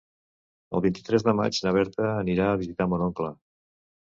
El vint-i-tres de maig na Berta anirà a visitar mon oncle.